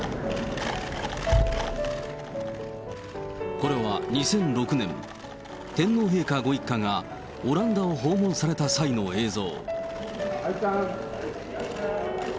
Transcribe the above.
これは２００６年、天皇陛下ご一家がオランダを訪問された際の映像。